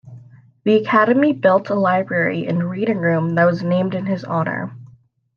The Academy built a library and reading room that was named in his honor.